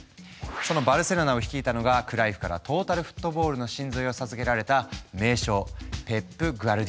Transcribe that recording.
そのバルセロナを率いたのがクライフからトータルフットボールの神髄を授けられた名将ペップ・グアルディオラ。